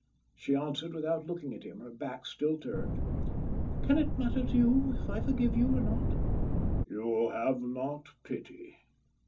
She answered without looking at him, her back still turned. "Can it matter to you if I forgive or not?" "You have not pity.